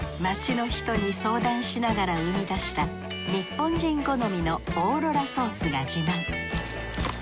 街の人に相談しながら生み出した日本人好みのオーロラソースが自慢。